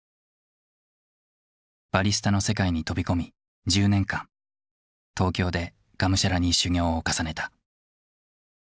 バリスタの世界に飛び込み１０年間東京でがむしゃらに修業を重ねた。